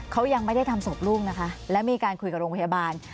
เขายังไม่ได้ทำศพลูกนะคะและมีการคุยกับโรงพยาบาล